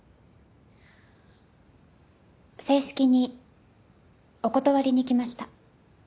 正式にお断りに来ました。